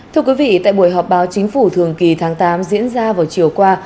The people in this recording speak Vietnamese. thưa quý vị tại buổi họp báo chính phủ thường kỳ tháng tám diễn ra vào chiều qua